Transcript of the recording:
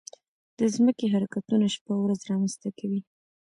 د ځمکې حرکتونه شپه او ورځ رامنځته کوي.